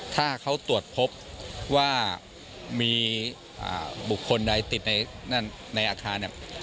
ถ้าเขาตรวจพบว่ามีบุคคลใดติดในอาคารเนี่ย